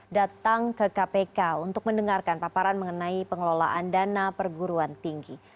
datang ke kpk untuk mendengarkan paparan mengenai pengelolaan dana perguruan tinggi